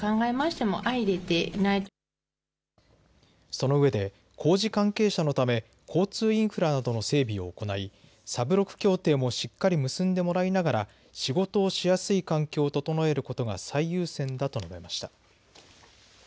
そのうえで工事関係者のため交通インフラなどの整備を行い３６協定もしっかり結んでもらいながら仕事をしやすい環境を整えることが最優先だと述べました。